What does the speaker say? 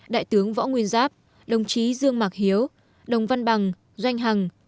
đại tướng võ nguyên giáp đồng chí dương mạc hiếu đồng văn bằng doanh hằng